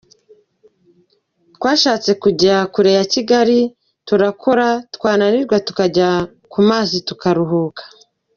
Twashatse kujya kure ya Kigali, turakora twananirwa tukajya ku mazi kuruhuka.